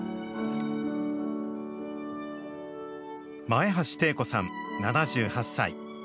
前橋汀子さん７８歳。